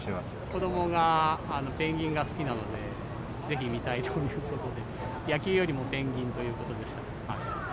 子どもがペンギンが好きなので、ぜひ見たいということで、野球よりもペンギンということでした。